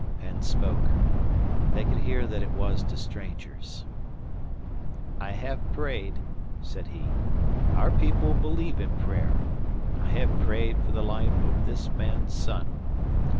Penn spoke; they could hear that it was to strangers. "I have prayed," said he. "Our people believe in prayer. I have prayed for the life of this man's son.